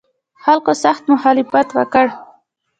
خلکو سخت مخالفت وکړ.